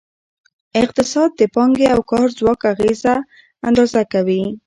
اقتصاد د پانګې او کار ځواک اغیزه اندازه کوي.